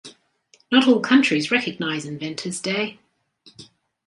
Not all countries recognise Inventors' Day.